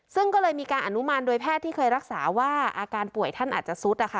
ซึ่งก็เลยมีการอนุมานโดยแพทย์ที่เคยรักษาว่าอาการป่วยท่านอาจจะซุดนะคะ